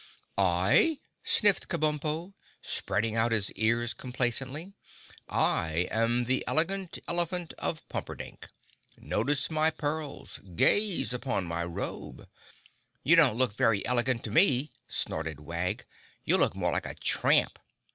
"I?" sniffed Kabumpo, spreading out his ears complacently, "I am the Elegant Elephant of Pumperdink. Notice my pearls; gaze upon my robe." "You don't look very elegant to me," snorted Wag. "You look more like a tramp.